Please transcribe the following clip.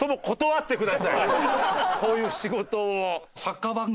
こういう仕事を。